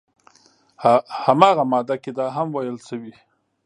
همغه ماده کې دا هم ویل شوي